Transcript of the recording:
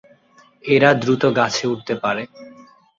এরা দ্রুত গাছে উঠতে পারে।